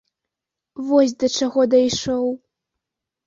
Вось да чаго дайшоў.